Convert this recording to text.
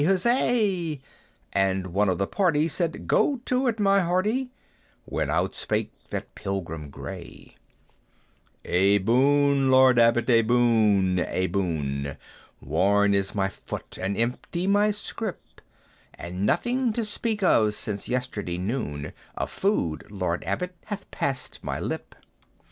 huzza!" And one of the party said, "Go it, my hearty!" When outspake that Pilgrim gray "A boon, Lord Abbot! a boon! a boon! Worn is my foot, and empty my scrip; And nothing to speak of since yesterday noon Of food, Lord Abbot, hath passed my lip.